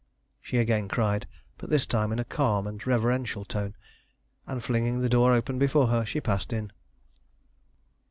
she again cried, but this time in a calm and reverential tone; and flinging the door open before her, she passed in.